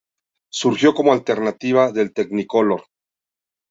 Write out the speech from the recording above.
Surgió como alternativa al Technicolor.